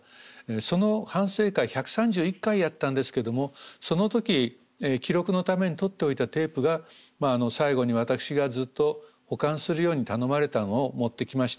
その反省会１３１回やったんですけどもその時記録のためにとっておいたテープが最後に私がずっと保管するように頼まれたのを持ってきました。